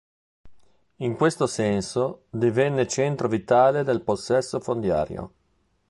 In questo senso divenne centro vitale del possesso fondiario.